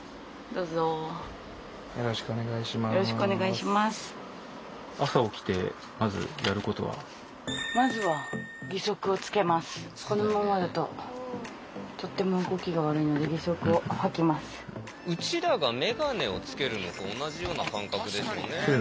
うちらが眼鏡をつけるのと同じような感覚ですかね。